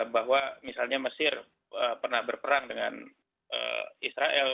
bahwa misalnya mesir pernah berperang dengan israel